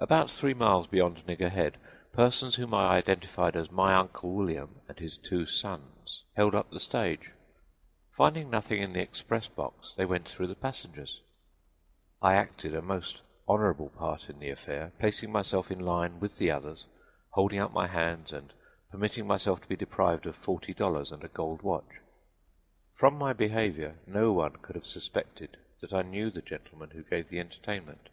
About three miles beyond Nigger Head, persons whom I identified as my Uncle William and his two sons held up the stage. Finding nothing in the express box, they went through the passengers. I acted a most honorable part in the affair, placing myself in line with the others, holding up my hands and permitting myself to be deprived of forty dollars and a gold watch. From my behavior no one could have suspected that I knew the gentlemen who gave the entertainment.